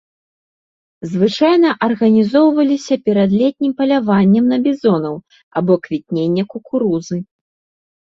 Звычайна арганізоўваліся перад летнім паляваннем на бізонаў або квітнення кукурузы.